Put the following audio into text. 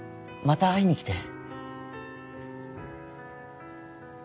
また会いに来て。